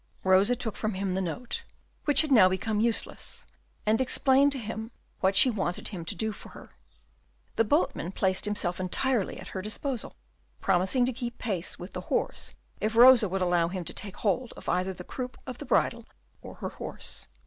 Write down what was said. Rosa took from him the note, which had now become useless, and explained to him what she wanted him to do for her. The boatman placed himself entirely at her disposal, promising to keep pace with the horse if Rosa would allow him to take hold of either the croup or the bridle of her horse.